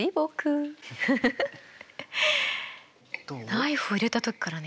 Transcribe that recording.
ナイフ入れた時からね